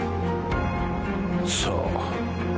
そう。